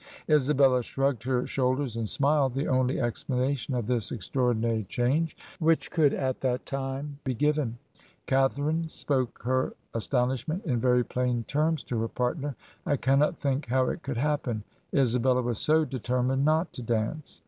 Isabella shrugged her shoulders and smiled, the only explanation of this ex traordinary change which could at that time be given. Catharine ... spoke her astonishment in very plain terms to her partner. 'I cannot think how it could happen. Isabella was so determined not to dance.